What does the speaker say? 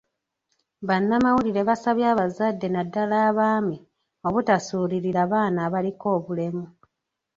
Bannamawulire basabye abazadde naddala abaami obutasuulirira baana abaliko bulemu.